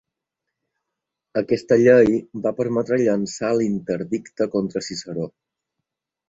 Aquesta llei va permetre llançar l'interdicte contra Ciceró.